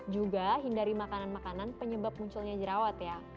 juga hindari makanan makanan penyebab munculnya jerawat ya